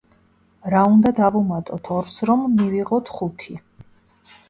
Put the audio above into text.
რა უნდა დავუმატოთ ორს, რომ მივიღოთ ხუთი?